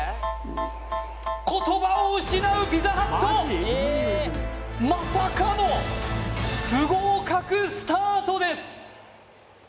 言葉を失うピザハットまさかの不合格スタートです